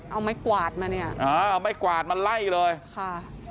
เอาไม้กวาดมาเนี่ยอ่าเอาไม้กวาดมาไล่เลยค่ะ